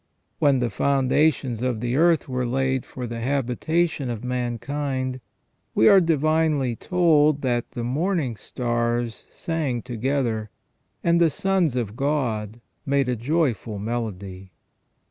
When the foundations of the earth were laid for the habitation of mankind, we are divinely told that " the morning stars sang together, and the sons of God made a joyful melody